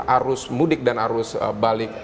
arus mudik dan arus balik